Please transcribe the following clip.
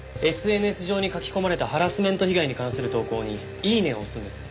ＳＮＳ上に書き込まれたハラスメント被害に関する投稿にイイネ！を押すんです。